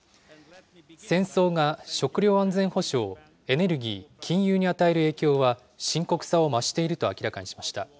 戦争が食料安全保障・エネルギー・金融に与える影響は、深刻さを増していると明らかにしました。